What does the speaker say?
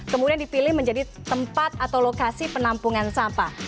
kemudian dipilih menjadi tempat atau lokasi penampungan sampah